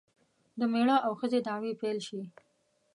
د میړه او ښځې دعوې پیل شي.